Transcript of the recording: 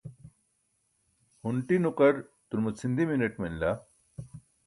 hunṭi nuqar turma chindi mineṭ manila